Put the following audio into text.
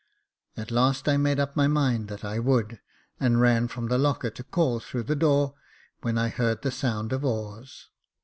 At last I made up my mind that I would, and ran from the locker to call through the door, when I heard the sound of oars.